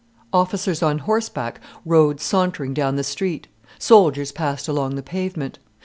Officers on horseback rode sauntering down the street, soldiers passed along the pavement.